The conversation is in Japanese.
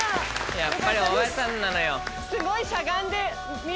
やっぱり大林さんなのよ。